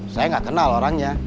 saya gak kenal orangnya